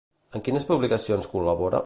En quines publicacions col·labora?